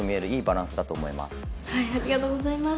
ありがとうございます。